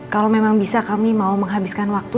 kalau memang bisa kami mau menghabiskan waktu